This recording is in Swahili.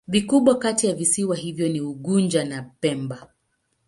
Vikubwa kati ya visiwa hivyo ni Unguja na Pemba.